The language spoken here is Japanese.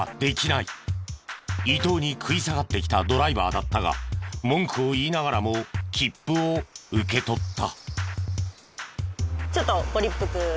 伊東に食い下がってきたドライバーだったが文句を言いながらも切符を受け取った。